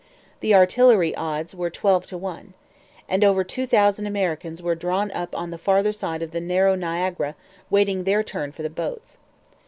The artillery odds were twelve to one. And over two thousand Americans were drawn up on the farther side of the narrow Niagara waiting their turn for the boats.